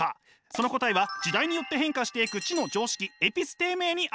その答えは時代によって変化していく知の常識エピステーメーにあったんです。